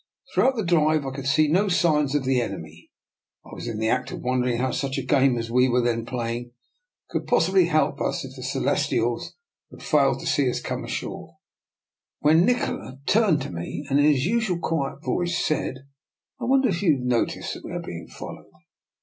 Throughout the drive I could see no signs of the enemy. I was in the act of wondering how such a game as we were then playing could possibly help us if the Celestials had 138 DR NIKOLA'S EXPERIMENT. failed to see us come ashore, when Nikola turned to me, and in his usual quiet voice said: —" I wonder if you have noticed that we are being followed?